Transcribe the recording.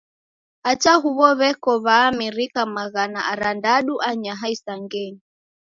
Hata huw'o w'eko W'aamerika maghana arandadu anyaha isangenyi.